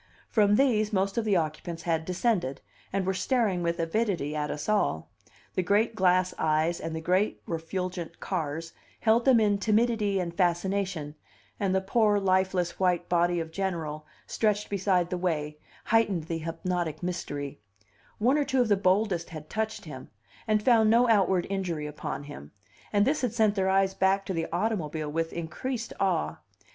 From these most of the occupants had descended, and were staring with avidity at us all; the great glass eyes and the great refulgent cars held them in timidity and fascination, and the poor lifeless white body of General, stretched beside the way, heightened the hypnotic mystery; one or two of the boldest had touched him, and found no outward injury upon him; and this had sent their eyes back to the automobile with increased awe.